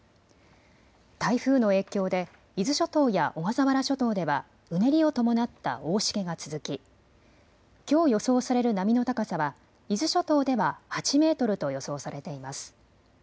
台風の影響で伊豆諸島や小笠原諸島ではうねりを伴った大しけが続ききょう予想される波の高さは伊豆諸島では８メートルと予想されています。